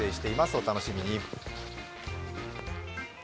お楽しみに。